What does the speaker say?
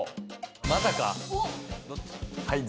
まさか。